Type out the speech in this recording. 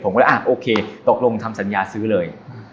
ผมก็เลยอ่ะโอเคตกลงทำสัญญาซื้อเลย